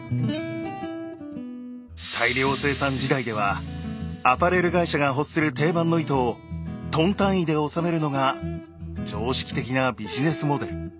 大量生産時代ではアパレル会社が欲する定番の糸をトン単位で納めるのが常識的なビジネスモデル。